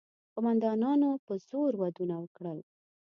قوماندانانو په زور ودونه وکړل.